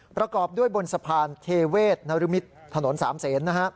ประกอบด้วยบนสะพานเทเวศนรมิตรถนน๓เซน